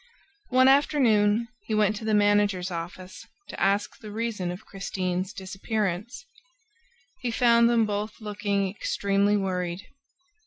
One afternoon he went to the managers' office to ask the reason of Christine's disappearance. He found them both looking extremely worried.